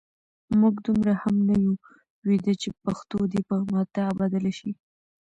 موږ دومره هم نه یو ویده چې پښتو دې په متاع بدله شي.